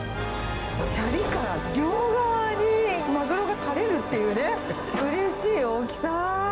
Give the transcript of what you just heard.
しゃりから両側にマグロが垂れるっていうね、うれしい大きさ。